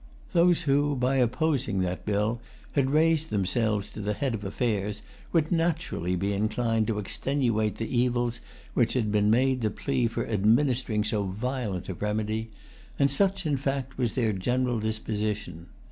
Those who, by opposing that bill, had raised themselves to the head of affairs would naturally be inclined to extenuate the evils which had been made the plea for administering so violent a remedy; and such, in fact, was their general disposition.